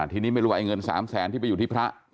ทีนี้ไม่รู้ว่าไอ้เงิน๓แสนที่ไปอยู่ที่พระ